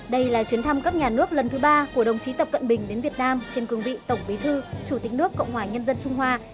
đây là chuyến thăm cấp nhà nước lần thứ ba của đồng chí tập cận bình đến việt nam trên cường vị tổng bí thư chủ tịch nước cộng hòa nhân dân trung hoa